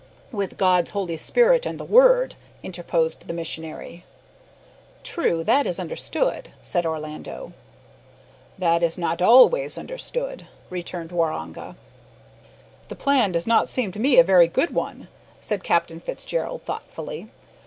"With God's Holy Spirit and the Word," interposed the missionary. "True, that is understood," said Orlando. "That is not always understood," returned Waroonga. "The plan does not seem to me a very good one," said Captain Fitzgerald thoughtfully.